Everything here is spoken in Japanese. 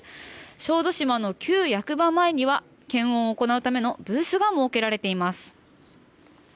小豆島の旧役場前には検温を行うためのブースが設けられています。